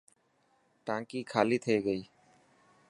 ٽانڪي خالي ٿي گئي.